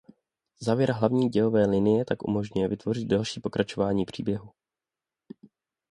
Závěr hlavní dějové linie tak umožňuje vytvořit další pokračování příběhu.